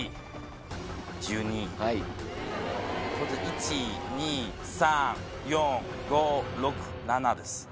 １・２・３・４・５・６・７です。